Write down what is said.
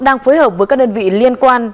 đang phối hợp với các đơn vị liên quan